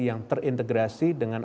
yang terintegrasi dengan